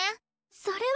それは。